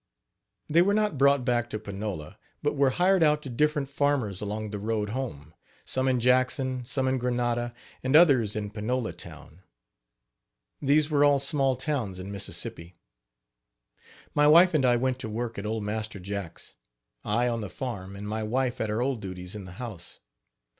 They were not brought back to Panola; but were hired out to different farmers along the road home some in Jackson, some in Granda and others in Panola town. These were all small towns in Mississippi. My wife and I went to work at old Master Jack's, I on the farm and my wife at her old duties in the house.